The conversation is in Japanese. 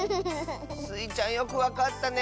スイちゃんよくわかったね！